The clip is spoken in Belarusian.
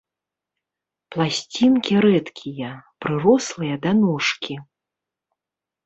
Пласцінкі рэдкія, прырослыя да ножкі.